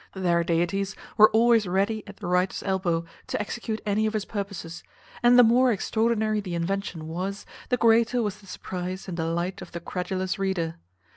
Their deities were always ready at the writer's elbow, to execute any of his purposes; and the more extraordinary the invention was, the greater was the surprize and delight of the credulous reader.